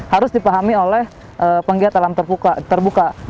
harus dipahami oleh penggiat alam terbuka